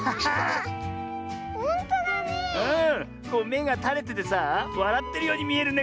めがたれててさあわらってるようにみえるねこれ。